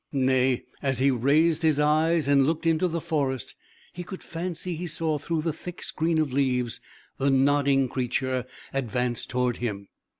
Nay, as he raised his eyes and looked into the forest, he could fancy he saw, through the thick screen of leaves, the nodding creature advance toward him.